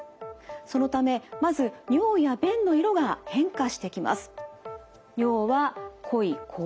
そのためまず尿や便の色が変化してきます。